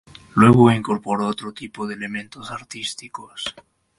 Luego, incorporó otro tipo de elementos artísticos.